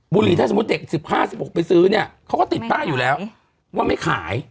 บุรีถ้าสมมุติเด็ก๑๕๑๖ไปซื้อเนี่ยเขาก็ติดป้ายอยู่แล้วว่าไม่ขาย